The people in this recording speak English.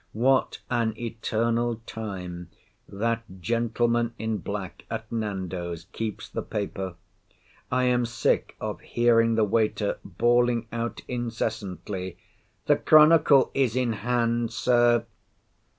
What an eternal time that gentleman in black, at Nando's, keeps the paper! I am sick of hearing the waiter bawling out incessantly, "the Chronicle is in hand, Sir."